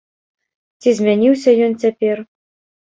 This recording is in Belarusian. Ці змяніўся ён цяпер?